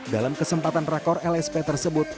dalam kesempatan rakor lsp tersebut